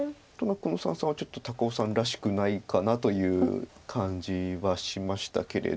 この三々はちょっと高尾さんらしくないかなという感じはしましたけれど。